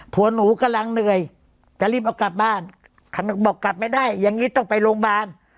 ผัวหนูกำลังเหนื่อยจะรีบเอากลับบ้านบอกกลับไม่ได้อย่างนี้ต้องไปโรงพยาบาล